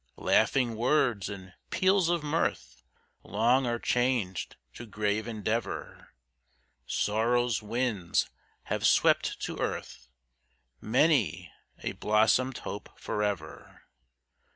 "Laughing words and peals of mirth, Long are changed to grave endeavor; Sorrow's winds have swept to earth Many a blossomed hope forever.